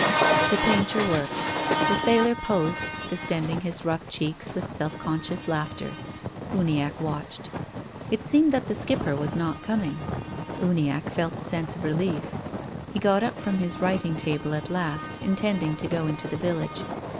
The painter worked. The sailor posed, distend ing his rough cheeks with self conscious laughter. Uniacke watched. It seemed that the Skipper was not coming. Uniacke felt a sense of relief. He got up from his writing table at last, intending to go into the village.